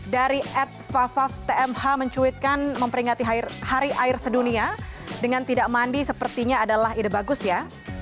dari ad favaf tmh mencuitkan memperingati hari air sedunia dengan tidak mandi sepertinya adalah ide bagus ya